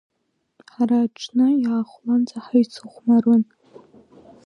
Ҳара аҽны иаахәлаанӡа ҳаицыхәмаруан.